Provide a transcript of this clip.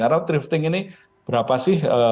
karena drifting ini berapa sih